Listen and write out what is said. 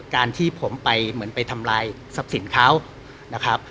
การที่ผมไปเหมือนไปทำลายทรัพย์สินเขานะครับ